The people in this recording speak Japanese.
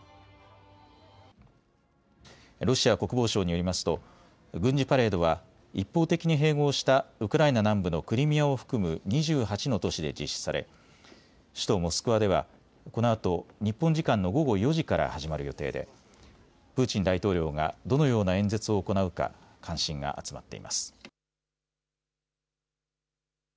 ロシア国防省によりますと軍事パレードは一方的に併合したウクライナ南部のクリミアを含む２８の都市で実施され首都モスクワではこのあと日本時間の午後４時から始まる予定でプーチン大統領がどのような演説を行うか関心が集まっています。